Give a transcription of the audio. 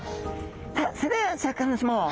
さあそれではシャーク香音さま